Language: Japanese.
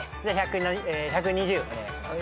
１２０お願いします。